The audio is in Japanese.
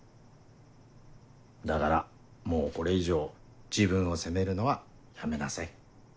だからもうこれ以上自分を責めるのはやめなさい。